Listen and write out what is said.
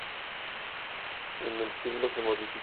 En el siglo se modificó.